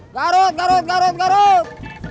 garut garut garut garut